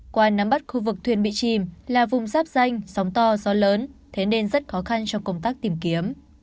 qua nắm bắt khu vực thuyền bị chìm là vùng giáp danh sóng to gió lớn thế nên rất khó khăn cho công tác tìm kiếm